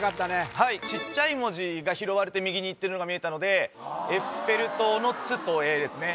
はいちっちゃい文字が拾われて右にいってるのが見えたのでエッフェル塔の「つ」と「え」ですね